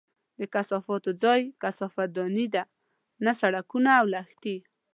د کثافاتو ځای کثافت دانۍ دي، نه سړکونه او لښتي!